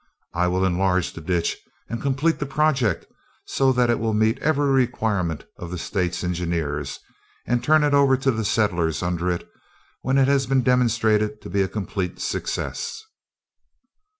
I will enlarge the ditch and complete the project so that it will meet every requirement of the state engineers and turn it over to the settlers under it when it has been demonstrated to be a complete success."